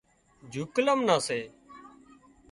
جُوڪلم نان سي